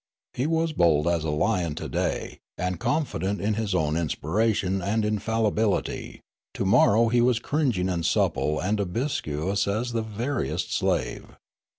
He was bold as a lion to day, and confident in his own inspiration and infallibility ; to morrow he was cringing and supple and obsequious as the veriest slave.